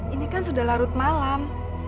ini kan sudah larut malam